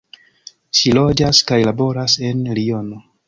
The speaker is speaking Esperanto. Ŝi loĝas kaj laboras en Liono.